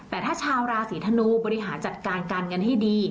แต่ถ้าชาวราศีธนูบริหารจัดการการเงินให้ดี